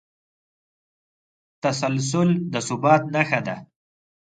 تسلسل د ثبات نښه ده.